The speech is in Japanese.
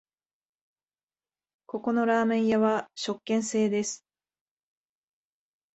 ここのラーメン屋は食券制です